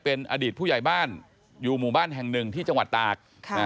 เป็นอดีตผู้ใหญ่บ้านอยู่หมู่บ้านแห่งหนึ่งที่จังหวัดตาก